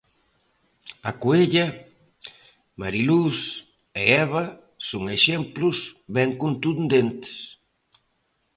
A Coella, Mariluz e Eva son exemplos ben contundentes.